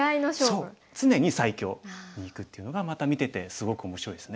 そう常に最強にいくっていうのがまた見ててすごく面白いですね。